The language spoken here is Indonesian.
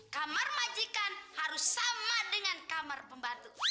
kamar majikan harus sama dengan kamar pembantu